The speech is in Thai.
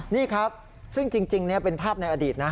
นี่ครับซึ่งจริงเป็นภาพในอดีตนะ